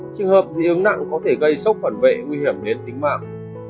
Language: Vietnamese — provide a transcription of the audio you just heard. trường hợp dị ứng nặng có thể gây sốc phản vệ nguy hiểm đến tính mạng